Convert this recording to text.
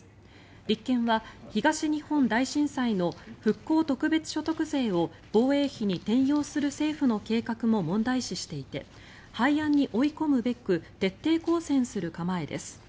立憲は東日本大震災の復興特別所得税を防衛費に転用する政府の計画も問題視していて廃案に追い込むべく徹底抗戦する構えです。